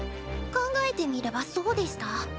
考えてみればそうでした。